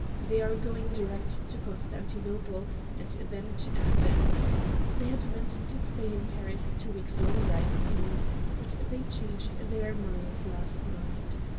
They are going direct to Constantinople, and then to Athens. They had meant to stay in Paris two weeks longer, it seems, but they changed their minds last night.